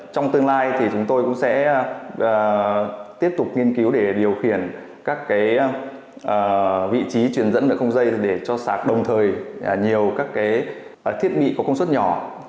trong tương lai thì chúng tôi cũng sẽ tiếp tục nghiên cứu để điều khiển các vị trí truyền dẫn lượng không dây để cho sạc đồng thời nhiều các thiết bị có công suất nhỏ